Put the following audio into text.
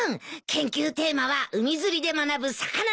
研究テーマは「海釣りで学ぶ魚の生態」だよ。